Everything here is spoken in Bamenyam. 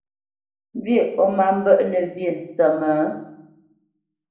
Mbî o nâʼ mbə́ʼnə̄ wyê ntsə́mə́?